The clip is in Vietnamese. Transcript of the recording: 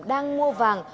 đang mua vàng